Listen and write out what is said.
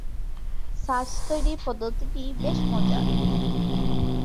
ছাঁচ তৈরির পদ্ধতি টি বেশ মজার।